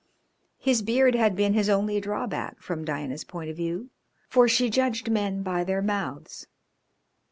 His beard had been his only drawback from Diana's point of view, for she judged men by their mouths.